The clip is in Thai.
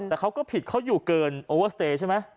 แต่เขาก็ผิดเขาอยู่เกินโอเวอร์สเตย์ใช่ไหม